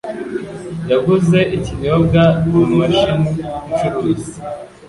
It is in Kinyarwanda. yaguze ikinyobwa mumashini icuruza.